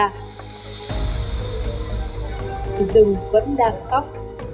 rừng vẫn đang khóc